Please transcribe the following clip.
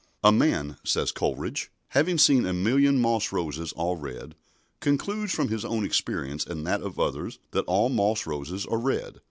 "A man," says Coleridge, "having seen a million moss roses all red, concludes from his own experience and that of others that all moss roses are red.